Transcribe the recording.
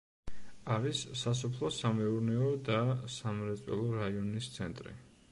არის სასოფლო-სამეურნეო და სამრეწველო რაიონის ცენტრი.